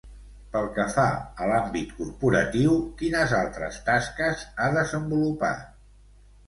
Pel que fa a l'àmbit corporatiu, quines altres tasques ha desenvolupat?